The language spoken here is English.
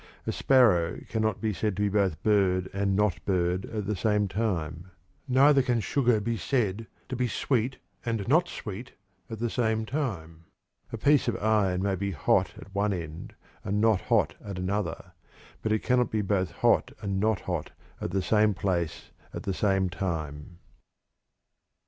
A sparrow cannot be said to be both "bird" and "not bird" at the same time. Neither can sugar be said to be "sweet" and "not sweet" at the same time. A piece of iron may be "hot" at one end and "not hot" at another, but it cannot be both "hot" and "not hot" at the same place at the same time. III.